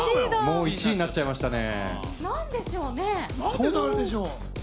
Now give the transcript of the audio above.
もう１位になっちゃいましたね。